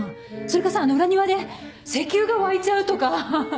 それかさ裏庭で石油が湧いちゃうとか。